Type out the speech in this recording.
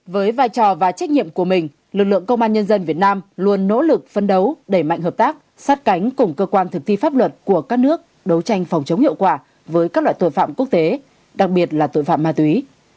với vai trò và trách nhiệm của mình lực lượng công an nhân dân việt nam luôn nỗ lực phân đấu đẩy mạnh hợp tác sát cánh cùng cơ quan thực thi pháp luật của các nước đấu tranh phòng chống hiệu quả với các loại tội phạm quốc tế đặc biệt là tội phạm ma túy